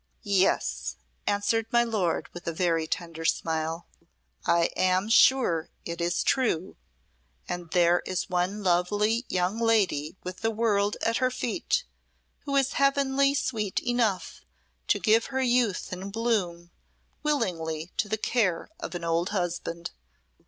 "Yes," answered my lord with a very tender smile, "I am sure it is true, and there is one lovely young lady with the world at her feet who is heavenly sweet enough to give her youth and bloom willingly to the care of an old husband."